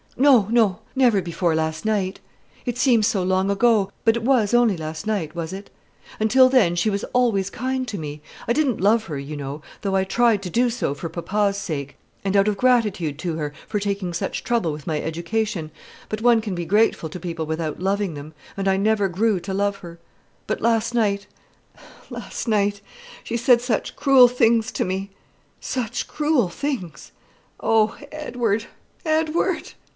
"No, no! never before last night. It seems so long ago; but it was only last night, was it? Until then she was always kind to me. I didn't love her, you know, though I tried to do so for papa's sake, and out of gratitude to her for taking such trouble with my education; but one can be grateful to people without loving them, and I never grew to love her. But last night last night she said such cruel things to me such cruel things. O Edward, Edward!"